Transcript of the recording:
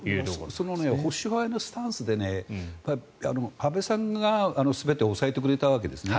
その保守派へのスタンスで安倍さんが全てを抑えてくれたわけですね。